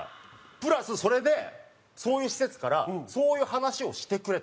プラスそれでそういう施設から「そういう話をしてくれ」と。